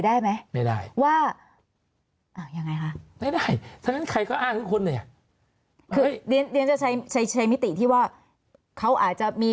ได้ไหมไม่ได้ว่าไม่ได้ใช้มิติที่ว่าเขาอาจจะมี